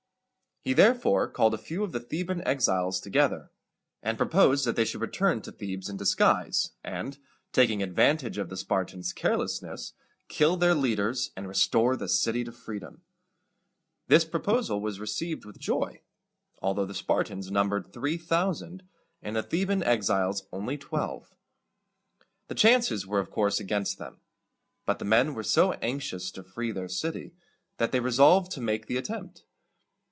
He therefore called a few of the Theban exiles together, and proposed that they should return to Thebes in disguise, and, taking advantage of the Spartans' carelessness, kill their leaders, and restore the city to freedom. This proposal was received with joy, although the Spartans numbered three thousand, and the Theban exiles only twelve. The chances were of course against them; but the men were so anxious to free their city, that they resolved to make the attempt.